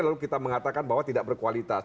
lalu kita mengatakan bahwa tidak berkualitas